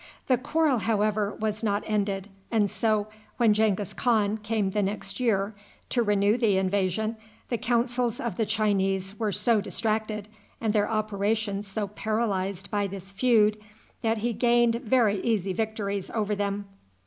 The quarrel, however, was not ended, and so, when Genghis Khan came the next year to renew the invasion, the councils of the Chinese were so distracted, and their operations so paralyzed by this feud, that he gained very easy victories over them.